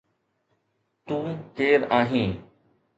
تو ڪير آهين؟